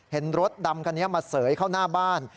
เห็นรถดำคันนี้มาเสยเข้าหน้าบ้าน